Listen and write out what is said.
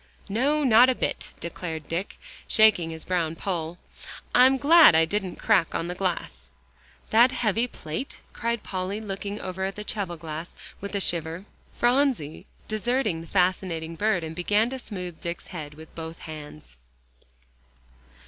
"No, not a bit," declared Dick, shaking his brown poll. "I'm glad I didn't crack the glass." "That heavy plate?" cried Polly, looking over at the cheval glass with a shiver. Phronsie deserted the fascinating bird, and began to smooth Dick's head with both hands.